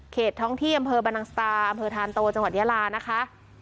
ท้องที่อำเภอบรรนังสตาอำเภอธานโตจังหวัดยาลานะคะ